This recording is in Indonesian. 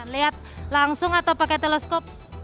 lihat langsung atau pakai teleskop